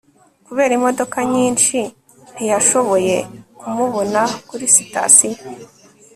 kubera imodoka nyinshi, ntiyashoboye kumubona kuri sitasiyo